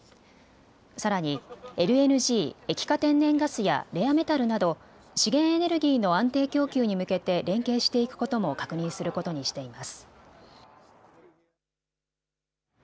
さらにＬＮＧ・液化天然ガスやレアメタルなど資源エネルギーの安定供給に向けて連携していくことも確認することにしています。